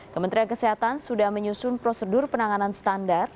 kementerian kesehatan sudah menyusun prosedur penanganan standar